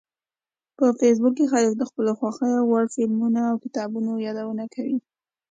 په فېسبوک کې خلک د خپلو خوښې وړ فلمونو او کتابونو یادونه کوي